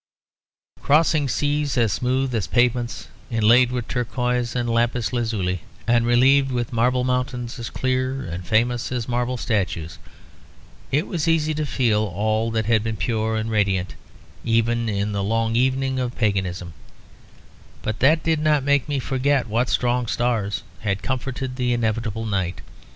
Crossing seas as smooth as pavements inlaid with turquoise and lapis lazuli, and relieved with marble mountains as clear and famous as marble statues, it was easy to feel all that had been pure and radiant even in the long evening of paganism; but that did not make me forget what strong stars had comforted the inevitable night.